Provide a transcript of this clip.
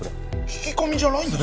聞き込みじゃないんですか？